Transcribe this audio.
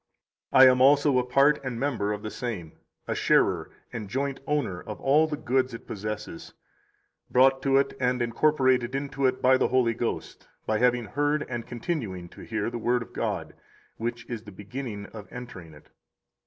52 I am also a part and member of the same, a sharer and joint owner of all the goods it possesses, brought to it and incorporated into it by the Holy Ghost by having heard and continuing to hear the Word of God, which is the beginning of entering it.